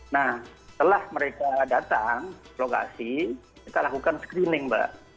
nah setelah mereka datang ke lokasi kita lakukan screening mbak